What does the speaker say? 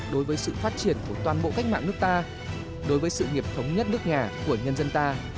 đối với sự phát triển của toàn bộ cách mạng nước ta đối với sự nghiệp thống nhất nước nhà của nhân dân ta